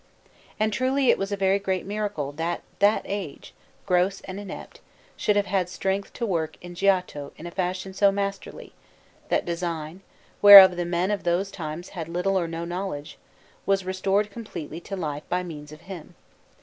And truly it was a very great miracle that that age, gross and inept, should have had strength to work in Giotto in a fashion so masterly, that design, whereof the men of those times had little or no knowledge, was restored completely to life by means of him.